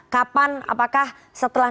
kapan apakah setelah